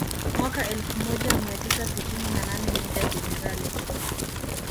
Mwaka elfu moja mia tisa sitini na nane Meja Jenerali